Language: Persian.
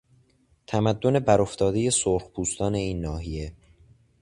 تمدن برافتادهی سرخپوستان این ناحیه